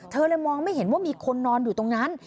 เธอเลยมองไม่เห็นว่ามีคนนอนอยู่ตรงนั้น